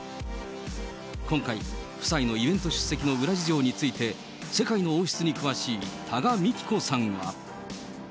今回、夫妻のイベント出席の裏事情について、世界の王室に詳しい多賀幹子さんは。